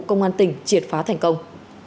công an tỉnh triệt phá thành công